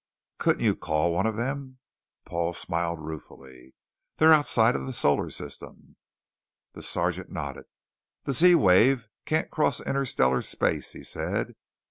"Couldn't you call one of them?" Paul smiled ruefully. "They're outside of the solar system." The sergeant nodded. "The Z wave can't cross interstellar space," he said.